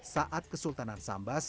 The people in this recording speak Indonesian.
saat kesultanan sambas